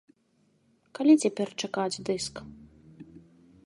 Калі цяпер чакаць дыск?